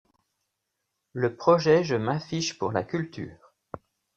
Le projet Je m’affiche pour la culture!